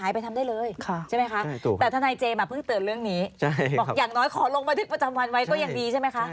ไปทำได้เลยใช่ไหมคะแต่ทนายเจมสเพิ่งเตือนเรื่องนี้บอกอย่างน้อยขอลงบันทึกประจำวันไว้ก็ยังดีใช่ไหมคะ